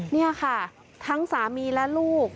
นี่ค่ะทั้งสามีและลูก